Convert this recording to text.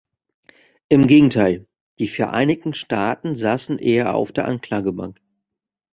Im Gegenteil, die Vereinigten Staaten saßen eher auf der Anklagebank.